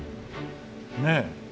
ねえ。